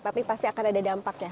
tapi pasti akan ada dampaknya